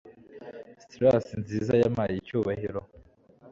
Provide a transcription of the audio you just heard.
stylus nziza yampaye icyubahiro